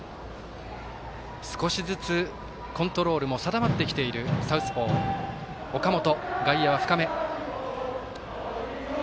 少しずつコントロールも定まってきているサウスポー、岡本。